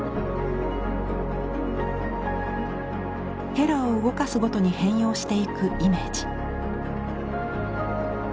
へらを動かすごとに変容していくイメージ。